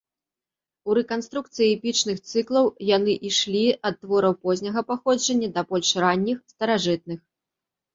У рэканструкцыі эпічных цыклаў яны ішлі ад твораў позняга паходжання да больш ранніх, старажытных.